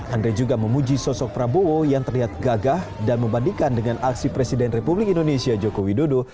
andre juga memuji sosok prabowo yang terlihat gagah dan membandingkan dengan aksi presiden republik indonesia joko widodo